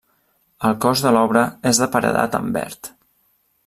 El cos de l'obra és de paredat en verd.